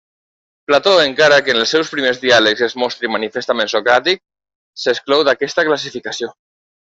Plató, encara que en els seus primers diàlegs es mostri manifestament socràtic, s'exclou d'aquesta classificació.